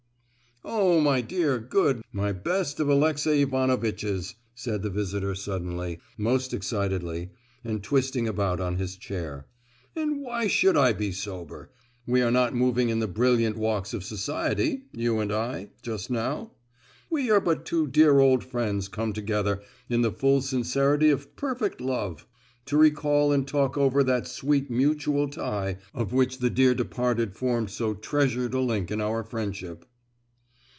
"Oh, my dear, good, my best of Alexey Ivanovitches," said the visitor suddenly, most excitedly, and twisting about on his chair, "and why should I be sober? We are not moving in the brilliant walks of society—you and I—just now. We are but two dear old friends come together in the full sincerity of perfect love, to recall and talk over that sweet mutual tie of which the dear departed formed so treasured a link in our friendship."